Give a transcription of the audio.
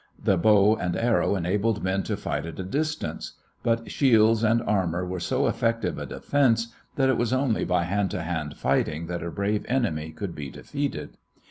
The bow and arrow enabled men to fight at a distance, but shields and armor were so effective a defense that it was only by hand to hand fighting that a brave enemy could be defeated.